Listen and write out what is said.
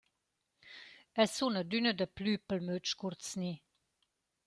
Eu sun adüna daplü pel möd scurzni.»